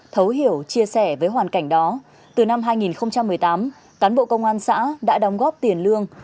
thấu hiểu chia sẻ với hoàn cảnh đó từ năm hai nghìn một mươi tám cán bộ công an xã đã đóng góp tiền lương